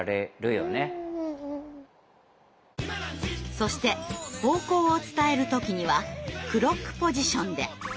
そして方向を伝える時にはクロックポジションで！